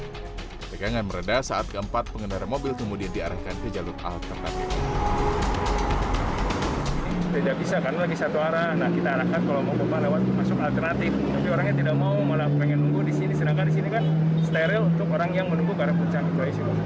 ketegangan meredah saat keempat pengendara mobil kemudian diarahkan ke jalur alternatif